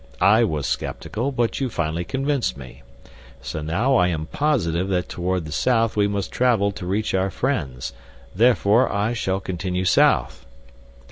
I was skeptical, but you finally convinced me; so now I am positive that toward the south we must travel to reach our friends. Therefore I shall continue south."